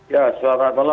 ya selamat malam